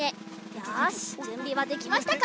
よしじゅんびはできましたか？